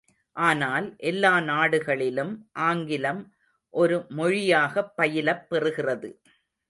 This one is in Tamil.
ஆனால் எல்லா நாடுகளிலும் ஆங்கிலம் ஒரு மொழியாகப் பயிலப்பெறுகிறது.